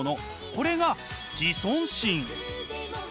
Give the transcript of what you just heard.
これが自尊心。